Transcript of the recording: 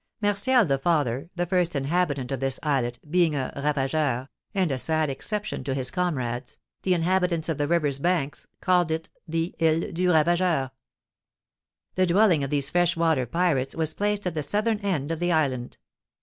Martial, the father, the first inhabitant of this islet, being a ravageur (and a sad exception to his comrades), the inhabitants of the river's banks called it the Ile du Ravageur. The dwelling of these freshwater pirates was placed at the southern end of the island.